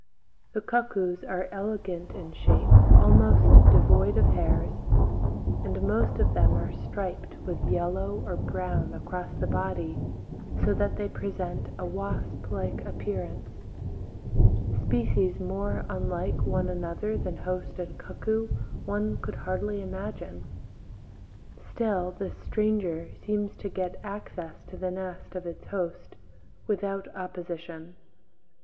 The cuckoos are elegant in shape, almost devoid of hairs, and most of them are striped with yellow or brown across the body so that they present a wasp like appearance (pl. B, 18). Species more unlike one another than host and cuckoo one could hardly imagine; still this stranger seems to get access to the nest of its host without opposition.